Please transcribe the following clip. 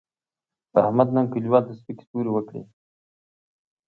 احمد نن کلیوالو ته سپکې سپورې وکړې.